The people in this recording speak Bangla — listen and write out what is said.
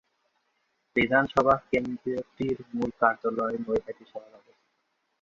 বিধানসভা কেন্দ্রটির মূল কার্যালয় নৈহাটি শহরে অবস্থিত।